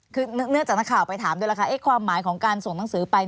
คือเนื่องจากนักข่าวไปถามด้วยล่ะค่ะความหมายของการส่งหนังสือไป